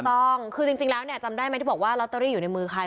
ถูกต้องคือจริงแล้วเนี่ยจำได้ไหมที่บอกว่าลอตเตอรี่อยู่ในมือใคร